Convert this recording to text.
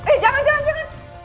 eh jangan jangan jangan